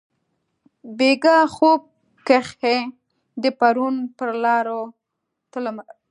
بیګاه خوب کښي د پرون پرلارو تلمه